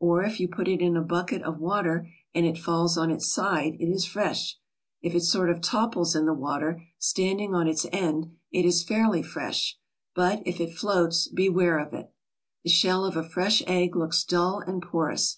Or, if you put it in a bucket of water and it falls on its side, it is fresh. If it sort of topples in the water, standing on its end, it is fairly fresh, but, if it floats, beware of it. The shell of a fresh egg looks dull and porous.